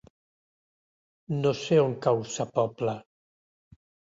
No sé on cau Sa Pobla.